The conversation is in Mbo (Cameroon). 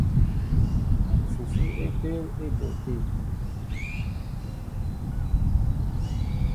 Fufu é ɓéél á éɓóʼ te.